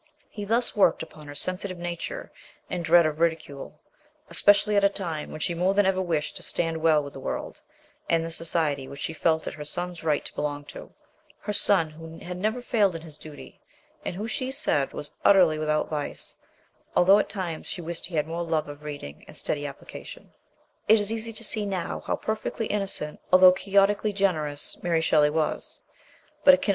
He thus worked upon her sensitive nature and dread of ridicule, especially at a time when she more than ever wished to stand well with the world and the society which she felt it her son's right to belong to her son, who had never failed in his duty, and who, she said, was utterly without vice, although at times she wished he had more love of reading and steady application. It is easy to see now how perfectly innocent, although Quixotically generous, Mary Shelley was; but it can 236 MRS.